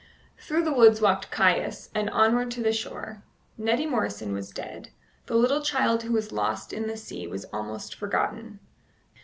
Through the woods walked Caius, and onward to the shore. Neddy Morrison was dead. The little child who was lost in the sea was almost forgotten.